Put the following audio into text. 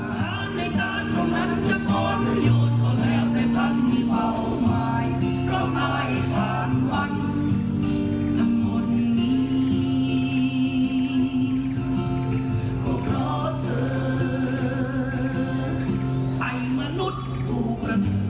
เพราะเพราะเธอให้มนุษย์ถูกกระสุน